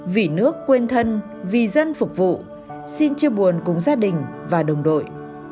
vì nước quên thân vì dân phục vụ xin chia buồn cùng gia đình và đồng đội